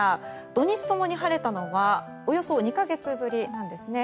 土日ともに晴れたのはおよそ２か月ぶりなんですね。